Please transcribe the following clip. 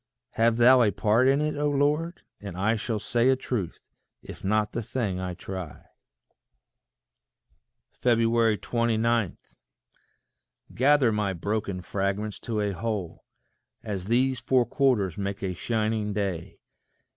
Have thou a part in it, O Lord, and I Shall say a truth, if not the thing I try. 29. Gather my broken fragments to a whole, As these four quarters make a shining day.